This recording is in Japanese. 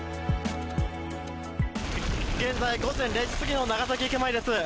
現在、午前０時過ぎの長崎駅前です。